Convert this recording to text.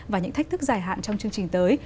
và những thách thức dài hạn trong chương trình tới